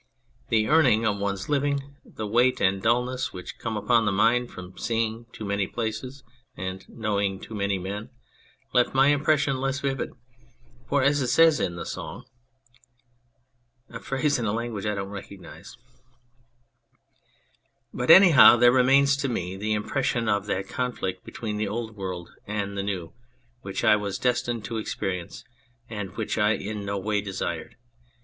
The earning of one's living, the weight and dullness which come upon the mind from seeing too many places and knowing too many men, left my impres sion less vivid. For, as it says in the song Ki moulte y resve mainte a vu : Ki pleure trop a trop vescu. But anyhow there remains to me the impression of that conflict between the Old World and the New which I was destined to experience, and which I in no way desired.